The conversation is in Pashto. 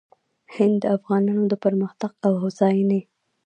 هند د افغانانو د پرمختګ او هوساینې